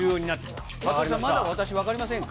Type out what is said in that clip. まだ私、分かりませんか？